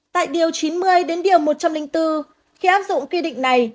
tại điều chín mươi đến điều một trăm linh bốn khi áp dụng quy định này